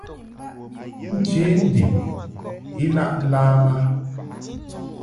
Nche ndib I laʼ lam a.